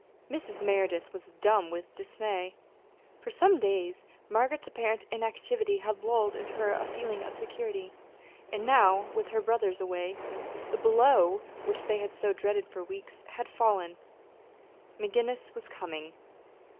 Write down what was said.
Mrs. Merideth was dumb with dismay. For some days Margaret's apparent inactivity had lulled her into a feeling of security. And now, with her brothers away, the blow which they had so dreaded for weeks had fallen McGinnis was coming.